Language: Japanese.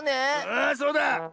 ⁉ああそうだ。